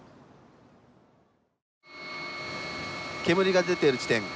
煙が出ている地点。